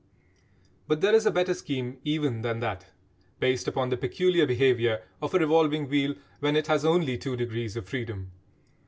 But there is a better scheme even than that, based upon the peculiar behaviour of a revolving wheel when it has only two degrees of freedom.